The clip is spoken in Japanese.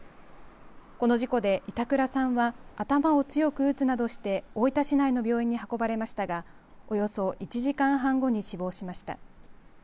この事故で板倉さんは頭を強く打つなどして大分市内の病院に運ばれましたがおよそ１時間半後に死亡しました。